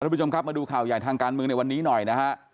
ผู้ชมครับมาดูข่าวใหญ่ทางการเมืองในวันนี้หน่อยนะฮะ